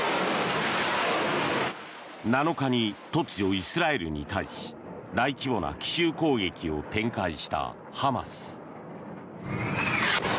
７日に突如イスラエルに対し大規模な奇襲攻撃を展開したハマス。